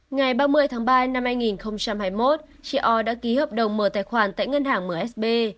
ngày ba mươi tháng ba năm hai nghìn hai mươi một chị o đã ký hợp đồng mở tài khoản tại ngân hàng msb